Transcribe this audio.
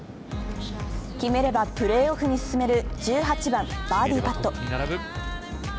決めればプレーオフに進める１８番、バーディーパット。